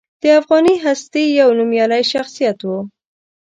د افغاني هستې یو نومیالی شخصیت و.